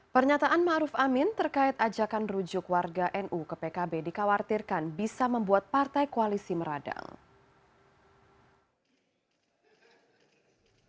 pernyataan ⁇ maruf ⁇ amin terkait ajakan rujuk warga nu ke pkb dikhawatirkan bisa membuat partai koalisi meradang